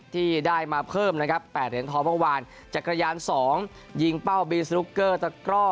ที่ได้มาเพิ่มนะครับ๘เหรียญทองเมื่อวานจักรยาน๒ยิงเป้าบีสนุกเกอร์ตะกร่อ